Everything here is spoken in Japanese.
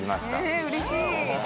えうれしい。